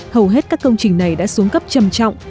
hầu hết các công trình này đã xuống cấp trầm trọng